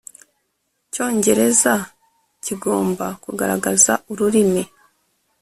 Cyongereza kigomba kugaragaza ururimi